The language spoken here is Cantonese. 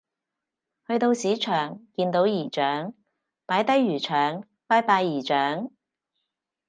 去到市場見到姨丈擺低魚腸拜拜姨丈